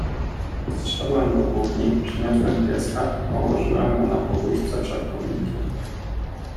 "Zszedłem do kuchni, przyniosłem pieska i położyłem go na poduszce przed kominkiem."